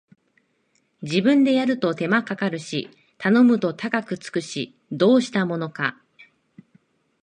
自分でやると手間かかるし頼むと高くつくし、どうしたものか